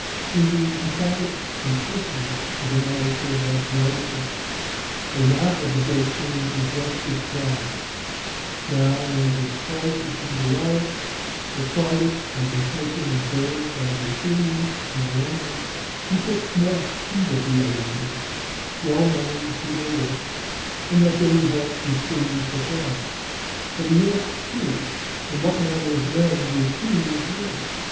In the emphatic simplicity of the narrative of Herodotus, the wrath of the Great King is thus described: "Now when it was told to King Darius that Sardis had been taken and burned by the Athenians and Ionians, he took small heed of the Ionians, well knowing who they were, and that their revolt would soon be put down; but he asked who, and what manner of men, the Athenians were.